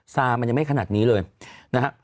ซามันยังไม่ขนาดนี้เลยนะฮะ